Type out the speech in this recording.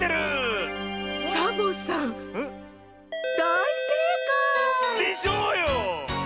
サボさんだいせいかい！でしょうよ！